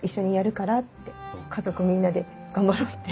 家族みんなで頑張ろうって。